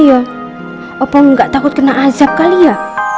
apa gak takut kena azab kali ya